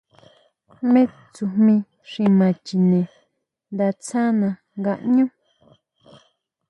Jmé tsujmí xi ma chine nda tsáná ngaʼñú.